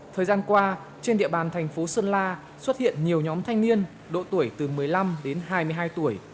thời gian qua trên địa bàn thành phố sơn la xuất hiện nhiều nhóm thanh niên độ tuổi từ một mươi năm đến hai mươi hai tuổi